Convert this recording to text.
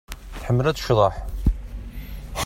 Tḥemmel ad tecḍeḥ.